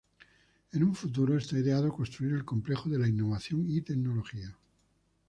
En un futuro, esta ideado construir el Complejo de la Innovación y Tecnología.